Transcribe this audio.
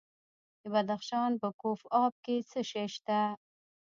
د بدخشان په کوف اب کې څه شی شته؟